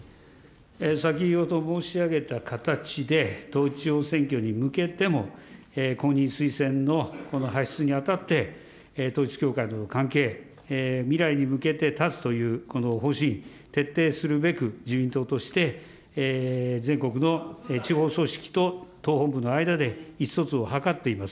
先ほど申し上げた形で、統一地方選挙に向けても、公認推薦の発出にあたって、統一教会との関係、未来に向けて立つというこの方針、徹底するべく、自民党として全国の地方組織と党本部の間で意思疎通を図っています。